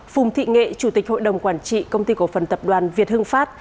phùng thị nghệ chủ tịch hội đồng quản trị công ty cổ phần tập đoàn việt hưng pháp